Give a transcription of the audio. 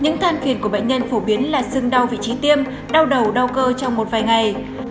những than phiền của bệnh nhân phổ biến là sưng đau vị trí tiêm đau đầu đau cơ trong một vài ngày